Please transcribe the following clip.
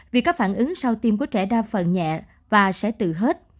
vì các phản ứng sau tiêm của trẻ đa phần nhẹ và sẽ tự hết